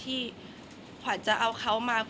แต่ขวัญไม่สามารถสวมเขาให้แม่ขวัญได้